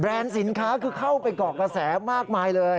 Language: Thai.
แบรนด์สินค้าเข้าไปเกาะกระแสมากมายเลย